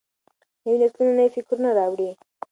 نوي نسلونه نوي فکرونه راوړي.